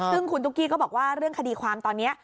ซึ่งคุณตุ๊กกี้ก็บอกว่าเรื่องคดีความตอนนี้